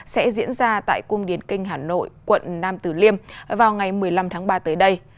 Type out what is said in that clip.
sẽ diễn ra tại cung điển kinh hà nội quận nam tử liêm vào ngày một mươi năm tháng ba tới đây